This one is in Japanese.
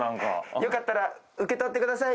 よかったら受け取ってください。